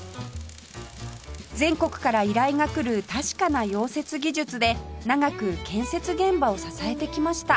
全国から依頼が来る確かな溶接技術で長く建設現場を支えてきました